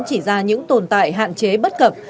chỉ ra những tồn tại hạn chế bất cập